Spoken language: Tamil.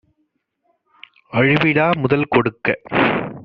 அழிவிலாமு தல்கொடுக்க